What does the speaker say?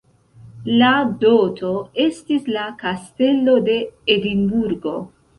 La doto estis la Kastelo de Edinburgo.